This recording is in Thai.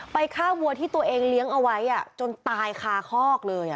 ฆ่าวัวที่ตัวเองเลี้ยงเอาไว้จนตายคาคอกเลย